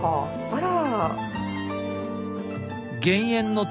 あら？